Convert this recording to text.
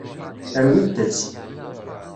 Rwint-tt.